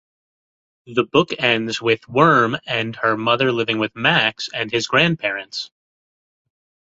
The book ends with Worm and her mother living with Max and his grandparents.